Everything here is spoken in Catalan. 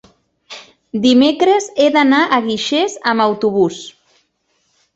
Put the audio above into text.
dimecres he d'anar a Guixers amb autobús.